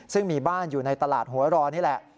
ซึ่งมีบ้านอยู่ในตลาดหัวรอนี่แหละ